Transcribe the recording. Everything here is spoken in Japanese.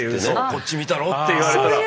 「こっち見たろ」って言われたら。